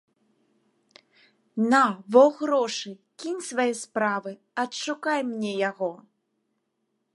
На, во грошы, кінь свае справы, адшукай мне яго!